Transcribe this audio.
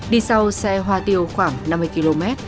đi sau xe hoa tiêu khoảng năm mươi km